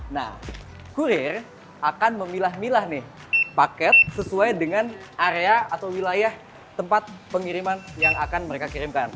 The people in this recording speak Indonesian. nah kurir akan memilah milah nih paket sesuai dengan area atau wilayah tempat pengiriman yang akan mereka kirimkan